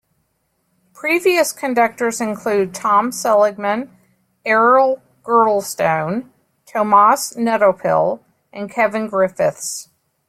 Previous conductors include Tom Seligman, Errol Girdlestone, Tomas Netopil and Kevin Griffiths.